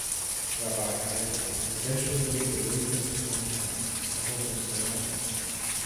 Rabbi Isaac eventually moved away from his home town and settled in Salerno.